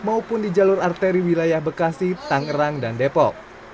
maupun di jalur arteri wilayah bekasi tangerang dan depok